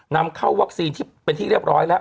นำเข้าวัคซีนที่เป็นที่เรียบร้อยแล้ว